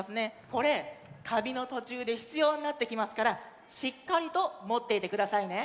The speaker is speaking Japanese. これたびのとちゅうでひつようになってきますからしっかりともっていてくださいね。